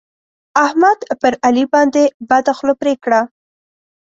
احمد پر علي باندې بده خوله پرې کړه.